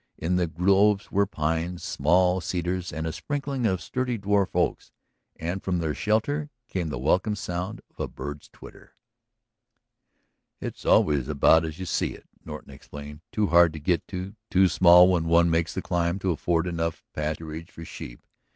In the groves were pines, small cedars, and a sprinkling of sturdy dwarf oaks. And from their shelter came the welcome sound of a bird's twitter. "It's always about as you see it," Norton explained. "Too hard to get to, too small when one makes the climb to afford enough pasturage for sheep.